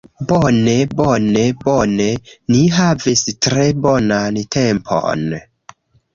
Bone, bone, bone ni havis tre bonan tempon